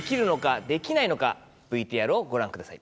ＶＴＲをご覧ください。